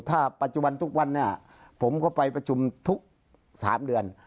ถ้าปัจจุบันทุกวันเนี่ยผมก็ไปประชุมทุก๓เดือน